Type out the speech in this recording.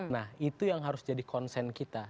nah itu yang harus jadi konsen kita